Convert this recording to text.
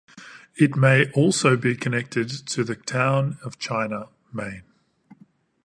It may also be connected to the town of China, Maine.